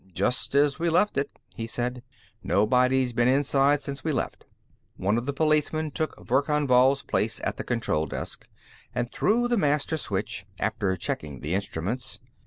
"Just as we left it," he said. "Nobody's been inside since we left." One of the policemen took Verkan Vall's place at the control desk and threw the master switch, after checking the instruments.